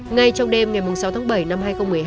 ngay trong đêm ngày sáu tháng bảy năm hai nghìn một mươi hai